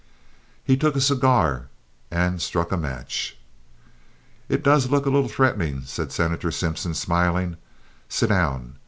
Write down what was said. He took a cigar and struck a match. "It does look a little threatening," said Senator Simpson, smiling. "Sit down.